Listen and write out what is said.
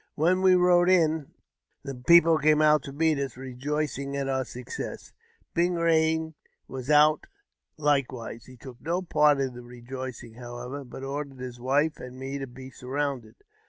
When we rode in, the people came out to meet us, rejoicing at our success. Big Rain was out likewise ; he took no part in the rejoicing, however, but ordered his wife and me to be surrounded.